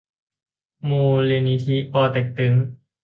มูลนิธิป่อเต็กตึ๊ง